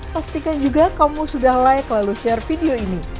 pastikan juga kamu sudah layak lalu share video ini